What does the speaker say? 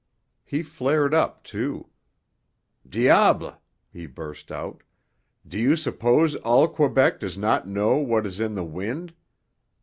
He flared up, too. "Diable!" he burst out, "do you suppose all Quebec does not know what is in the wind?